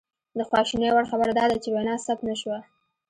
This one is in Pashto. د خواشینۍ وړ خبره دا ده چې وینا ثبت نه شوه